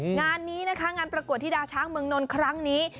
งานนี้นะคะงานประกวดที่ดาช้างเมืองนนท์ครั้งนี้